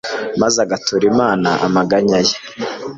maze agatura imana amaganya ye